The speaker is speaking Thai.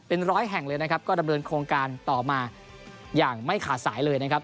เป็นร้อยแห่งเลยนะครับก็ดำเนินโครงการต่อมาอย่างไม่ขาดสายเลยนะครับ